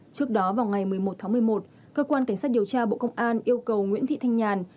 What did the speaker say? trước đó vào ngày một mươi một tháng một mươi một cơ quan cảnh sát điều tra bộ công an yêu cầu nguyễn thị thanh nhàn